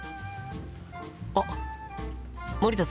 あっ森田さん。